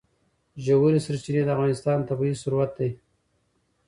ژورې سرچینې د افغانستان طبعي ثروت دی.